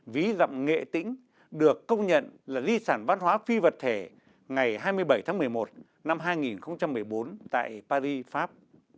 ví dặm nghệ tĩnh được công nhận là di sản văn hóa phi vật thể ngày hai mươi bảy tháng một mươi một năm hai nghìn một mươi bốn tại paris pháp